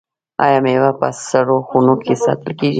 آیا میوه په سړو خونو کې ساتل کیږي؟